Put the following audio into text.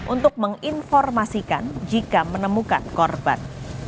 untuk menginformasikan jika menemukan korban